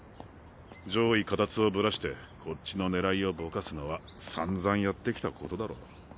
上意下達をぶらしてこっちのねらいをぼかすのはさんざんやってきたことだろ。